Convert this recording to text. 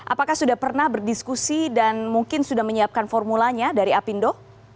apakah sudah pernah berdiskusi dan mungkin sudah menyiapkan formulanya dari apindo